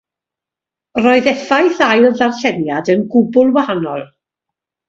Roedd effaith ail ddarlleniad yn gwbl wahanol.